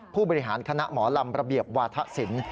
ผู้บริหารคณะหมอลำระเบียบวาธศิลป์